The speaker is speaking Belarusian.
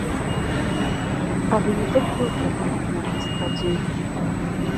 Але не толькі ў гэтым адметнасць падзеі.